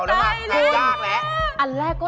เอาละมานานยากละ